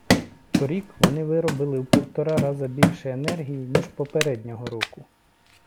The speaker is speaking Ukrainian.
Торік вони виробили у півтора раза більше енергії, ніж попереднього року.